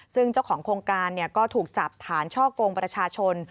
ซึ่งเจ้าของโครงการก็ถูกจับฐานช่อกงประชาชน